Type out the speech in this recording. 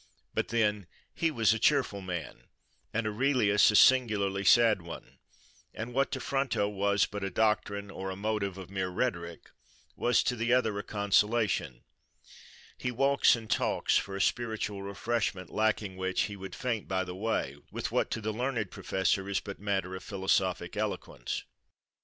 But then, he was a cheerful man, and Aurelius a singularly sad one; and what to Fronto was but a doctrine, or a motive of mere rhetoric, was to the other a consolation. He walks and talks, for a spiritual refreshment lacking which he would faint by the way, with what to the learned professor is but matter of philosophic eloquence.